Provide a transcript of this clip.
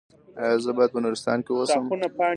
ایا زه باید په نورستان کې اوسم؟